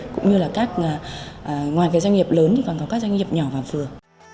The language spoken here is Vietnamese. cũng như là các ngoài cái doanh nghiệp lớn thì còn có các doanh nghiệp nhỏ và vừa